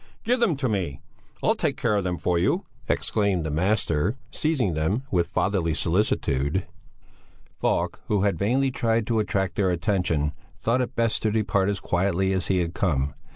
"Give them to me, I'll take care of them for you," exclaimed the master, seizing them with fatherly solicitude. Falk, who had vainly tried to attract their attention, thought it best to depart as quietly as he had come.